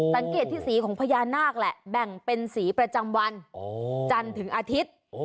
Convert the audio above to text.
สังเกตที่สีของพญานาคแหละแบ่งเป็นสีประจำวันจันทร์ถึงอาทิตย์